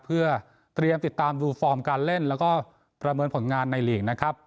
เพื่อเตรียมติดตามดูฟอร์มการเล่นแล้วก็ประเมินผลงานในหลีกนะครับ